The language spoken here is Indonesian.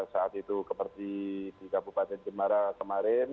saat itu seperti di kabupaten jemara kemarin